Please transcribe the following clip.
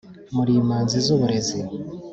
muri imanzi z’uburezi